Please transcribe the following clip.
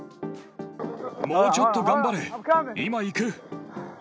もうちょっと頑張れ、今行く！